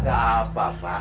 ada apa pak